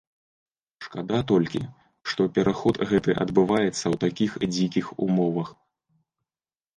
Шкада толькі, што пераход гэты адбываецца ў такіх дзікіх умовах.